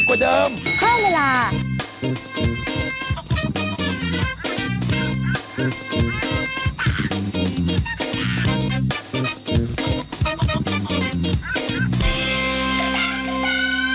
โปรดติดตามตอนต่อไป